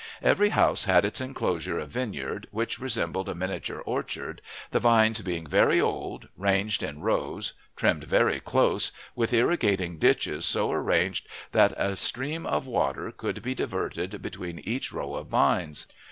Every house had its inclosure of vineyard, which resembled a miniature orchard, the vines being very old, ranged in rows, trimmed very close, with irrigating ditches so arranged that a stream of water could be diverted between each row of vines.